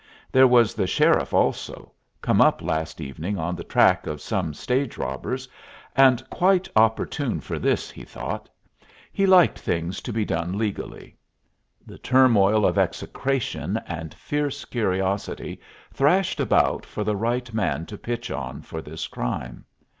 There was the sheriff also, come up last evening on the track of some stage robbers, and quite opportune for this, he thought. He liked things to be done legally. The turmoil of execration and fierce curiosity thrashed about for the right man to pitch on for this crime.